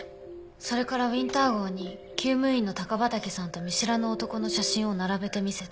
それからウィンター号に厩務員の高畠さんと見知らぬ男の写真を並べて見せた。